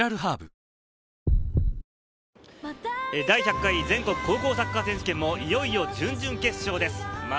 第１００回全国高校サッカー選手権もいよいよ準々決勝です。